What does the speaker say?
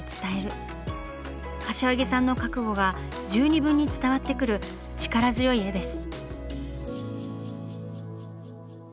柏木さんの覚悟が十二分に伝わってくる力強い絵です。